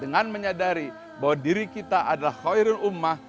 dengan menyadari bahwa diri kita adalah khairul umah